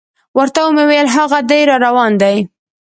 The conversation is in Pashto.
ورته مې وویل: هاغه دی را روان دی.